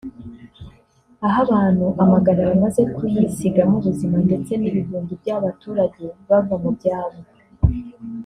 aho abantu amagana bamaze kuyisigamo ubuzima ndetse n’ibihumbi by’abaturage bava mu byabo